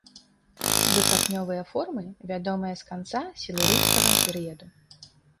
Выкапнёвыя формы вядомыя з канца сілурыйскага перыяду.